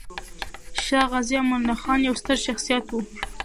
شاه غازي امان الله خان يو ستر شخصيت و.